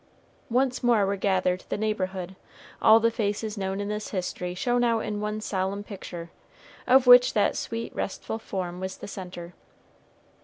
Once more were gathered the neighborhood; all the faces known in this history shone out in one solemn picture, of which that sweet restful form was the centre.